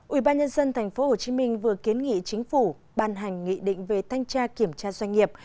ủy ban nhân dân tp hcm vừa kiến nghị chính phủ ban hành nghị định về thanh tra kiểm tra doanh nghiệp